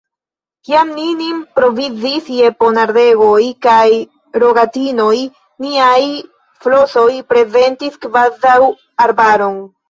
Kiam ni nin provizis je ponardegoj kaj rogatinoj, niaj flosoj prezentis kvazaŭ arbaron.